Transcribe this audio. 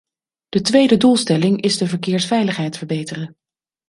De tweede doelstelling is de verkeersveiligheid verbeteren.